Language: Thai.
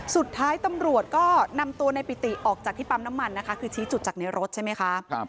สุดท้ายตำรวจก็นำตัวในปิติออกจากที่ปั๊มน้ำมันนะคะคือชี้จุดจากในรถใช่ไหมคะ